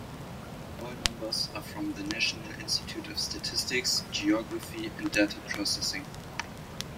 All numbers are from the National Institute of Statistics, Geography, and Data Processing.